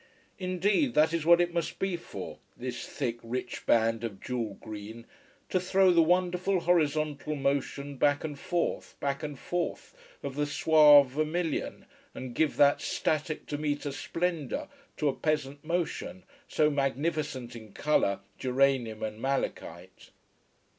Indeed that is what it must be for, this thick, rich band of jewel green, to throw the wonderful horizontal motion back and forth, back and forth, of the suave vermilion, and give that static, Demeta splendor to a peasant motion, so magnificent in colour, geranium and malachite.